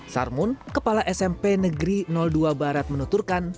sarmun kepala smp negeri dua barat menuturkan